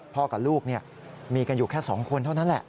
กับลูกมีกันอยู่แค่๒คนเท่านั้นแหละ